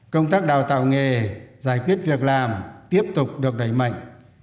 công tác đào tạo nghề giải quyết việc làm tiếp tục được đẩy mạnh